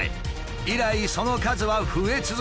以来その数は増え続け